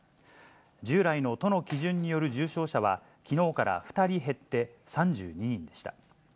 従来の都の基準による重症者は、きのうから２人減って３２人でした。